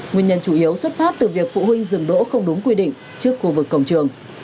nguyên nhân chủ yếu xuất phát từ việc phụ huynh dừng đỗ không đúng quy định trước khu vực cổng trường